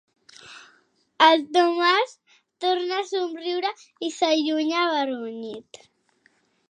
El Tomàs torna a somriure i s'allunya avergonyit.